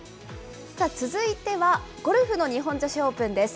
続いては、ゴルフの日本女子オープンです。